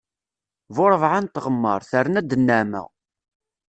Bu rebɛa n tɣemmar, terna-d nneɛma.